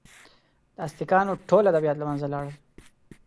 د ازتکانو ټول ادبیات له منځه ولاړل.